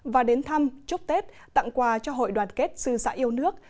và đến thăm chúc tết tặng quà cho hội đoàn kết sư sã yêu nước